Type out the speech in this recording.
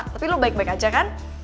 tapi lu baik baik aja kan